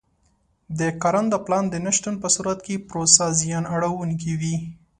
د کارنده پلان د نه شتون په صورت کې پروسه زیان اړوونکې وي.